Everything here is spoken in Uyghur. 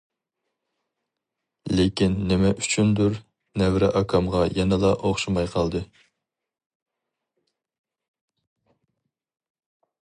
لېكىن نېمە ئۈچۈندۇر نەۋرە ئاكامغا يەنىلا ئوخشىماي قالدى.